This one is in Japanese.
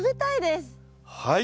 はい。